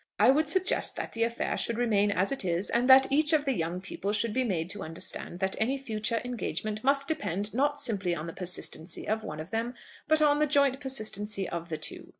"I would suggest that the affair should remain as it is, and that each of the young people should be made to understand that any future engagement must depend, not simply on the persistency of one of them, but on the joint persistency of the two.